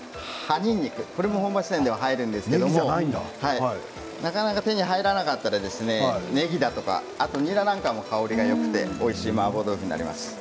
にんにく本場、四川で入るんですけれどもなかなか手に入らなかったらねぎだとか、ニラなんかも香りがよくておいしいマーボー豆腐になります。